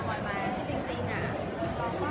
พี่แม่ที่เว้นได้รับความรู้สึกมากกว่า